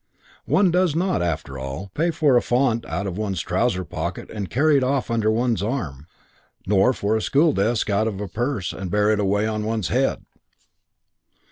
One does not, after all, pay for a font out of one's trouser pocket and carry it off under one's arm; nor for a school desk out of a purse and bear it away on one's head.